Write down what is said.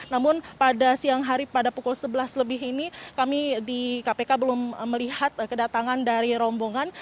namun pada siang hari pada pukul sebelas lebih ini kami di kpk belum melihat kedatangan dari rombongan